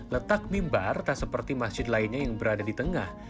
letak mimbar tak seperti masjid lainnya yang berada di tengah